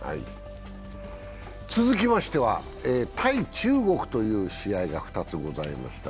続きましては対中国という試合が２つございました。